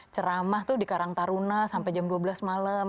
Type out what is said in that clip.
ceramah tuh di karang taruna sampai jam dua belas malam